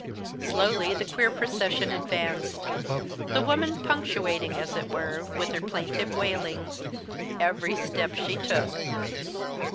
Slowly the queer procession advanced the woman punctuating, as it were, with her plaintive wailings every step she took.